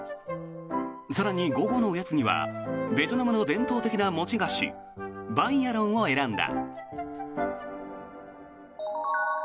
更に、午後のおやつにはベトナムの伝統的な餅菓子バンヤロンを選んだ。